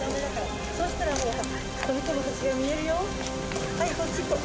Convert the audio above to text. そしたらもう飛び込む先が見えるよ。